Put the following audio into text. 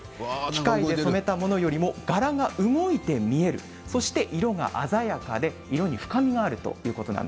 機械で染めたものよりも柄が動いて見える、そして色が鮮やかで、色に深みがあるということなんです。